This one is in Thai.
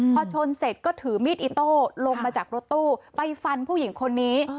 พอชนเสร็จก็ถือมีดอิโต้ลงมาจากรถตู้ไปฟันผู้หญิงคนนี้